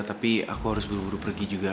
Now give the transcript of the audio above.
tapi aku harus buru buru pergi juga